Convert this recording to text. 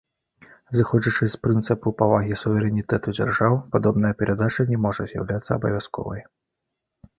Зыходзячы з прынцыпу павагі суверэнітэту дзяржаў, падобная перадача не можа з'яўляцца абавязковай.